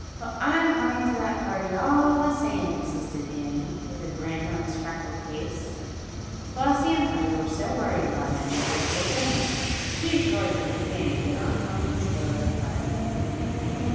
"Well, I'm coming to that party all the same!" insisted Danny, with a grin on his freckled face. Flossie and Freddie were so worried about him that they told their mother, but she assured them that Danny would not come to spoil their fun.